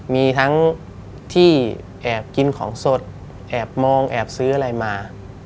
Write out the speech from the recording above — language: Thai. มีทั้งที่แอบกินของสดแอบมองแอบซื้ออะไรมา